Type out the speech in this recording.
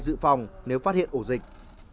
dự phòng nếu phát hiện ổ dịch